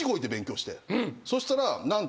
そうしたら何と。